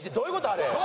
あれ。